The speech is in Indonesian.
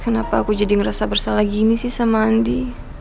kenapa aku jadi ngerasa bersalah gini sih sama andi